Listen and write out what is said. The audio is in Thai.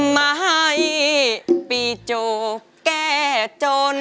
มาให้ปีจูบแก่จน